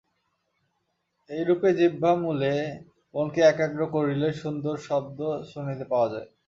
এইরূপে জিহ্বামূলে মনকে একাগ্র করিলে, সুন্দর শব্দ শুনিতে পাওয়া যায়।